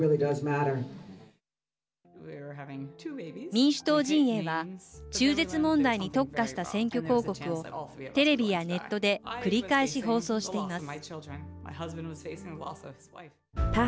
民主党陣営は中絶問題に特化した選挙広告をテレビやネットで繰り返し放送しています。